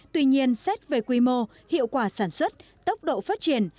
tuy nhiên xét về quy mô hiệu quả sản xuất tốc độ phát triển